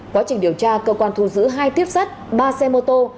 quá trình điều tra cơ quan thu giữ hai tiếp sắt ba xe mô tô